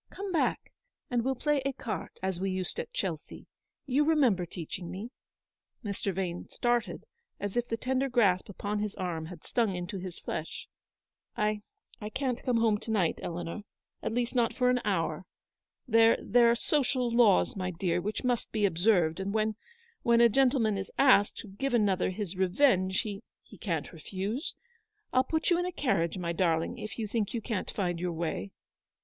Come back, and we'll play ecarte as we used at Chelsea. You remember teaching me." Mr. Vane started, as if the tender grasp upon his arm had stung into his flesh. " I — I can't come home to night, Eleanor. At least, not for an hour. There — there are social laws, my dear, which must be observed ; and when — when a gentleman is asked to give another his revenge, he — he can't refuse. I'll put you into a carriage, my darling, if you think you can't find your way."